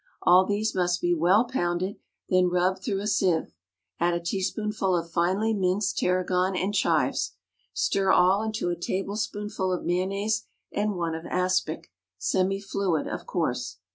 All these must be well pounded, then rubbed through a sieve; add a teaspoonful of finely minced tarragon and chives. Stir all into a tablespoonful of mayonnaise and one of aspic, semi fluid of course.